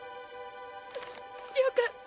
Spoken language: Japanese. よかった。